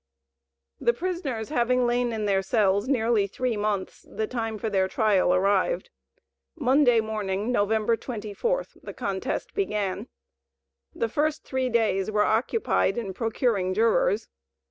The prisoners having lain in their cells nearly three months, the time for their trial arrived. Monday morning, November 24th, the contest began. The first three days were occupied in procuring jurors.